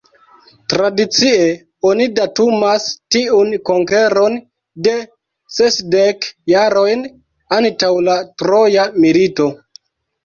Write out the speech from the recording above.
Tradicie oni datumas tiun konkeron de sesdek jarojn antaŭ la Troja milito.